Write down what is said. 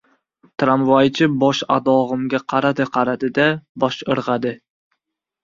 Tramvaychi bosh-adog‘imga qaradi-qaradi-da, bosh irg‘adi.